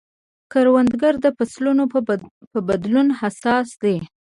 کروندګر د فصلونو په بدلون حساس دی